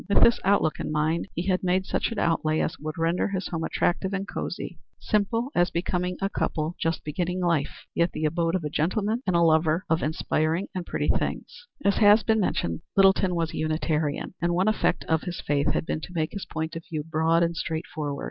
With this outlook in mind he had made such an outlay as would render his home attractive and cosey simple as became a couple just beginning life, yet the abode of a gentleman and a lover of inspiring and pretty things. As has been mentioned, Littleton was a Unitarian, and one effect of his faith had been to make his point of view broad and straightforward.